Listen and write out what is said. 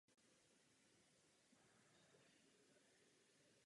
Na ocase jsou tři tmavé pruhy.